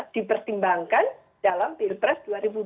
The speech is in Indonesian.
dipertimbangkan dalam pilpres dua ribu dua puluh